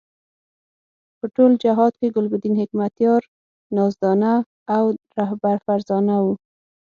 په ټول جهاد کې ګلبدین حکمتیار نازدانه او رهبر فرزانه وو.